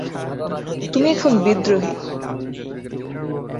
তুমি এখন বিদ্রোহী!